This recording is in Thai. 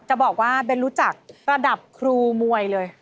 จะบอกว่าเบ้นรู้จักระดับครูมวยเลย